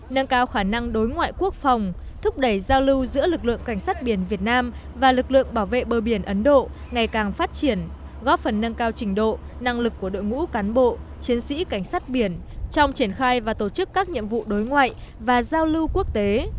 nâng cao khả năng đối ngoại quốc phòng thúc đẩy giao lưu giữa lực lượng cảnh sát biển việt nam và lực lượng bảo vệ bờ biển ấn độ ngày càng phát triển góp phần nâng cao trình độ năng lực của đội ngũ cán bộ chiến sĩ cảnh sát biển trong triển khai và tổ chức các nhiệm vụ đối ngoại và giao lưu quốc tế